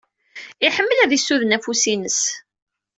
Iḥemmel ad isuden afus-ines